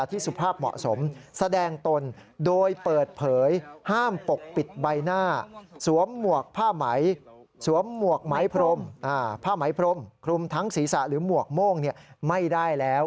ทั้งศีรษะหรือหมวกโม่งไม่ได้แล้ว